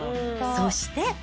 そして。